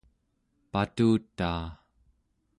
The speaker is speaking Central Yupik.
patutaa